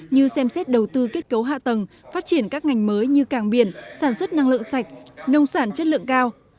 như xem xét đầu tư kết cấu hạ tầng phát triển các ngành mới như càng biển sản xuất năng lượng sạch nông sản chất lượng cao